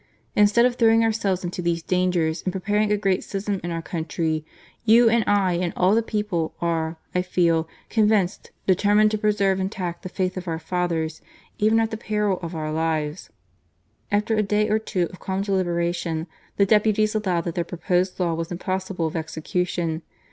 Instead of throwing ourselves into these dangers and preparing a great schism in our country, you and I, and all the people, are, I feel convinced, determined to preserve intact the faith of our fathers, even at the peril of our lives." / After a day or two of calm deliberation, the deputies allowed that their proposed law was im possible of execution.